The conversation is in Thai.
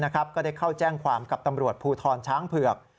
ก็ได้เข้าแจ้งความกับตำรวจภูทรช้างเผือก